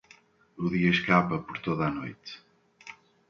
O dia escapa por toda a noite.